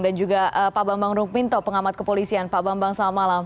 dan juga pak bambang rukminto pengamat kepolisian pak bambang selamat malam